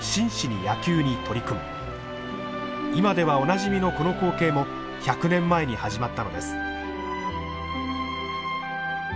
今ではおなじみのこの光景も１００年前に始まったのです。